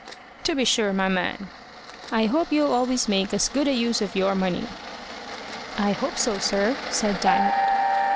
"To be sure, my man. I hope you'll always make as good a use of your money." "I hope so, sir," said Diamond.